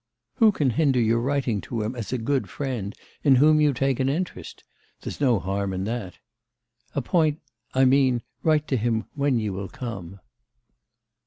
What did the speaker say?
Who can hinder your writing to him as a good friend, in whom you take an interest? There's no harm in that. Appoint I mean, write to him when you will come.